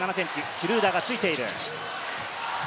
シュルーダーがついている。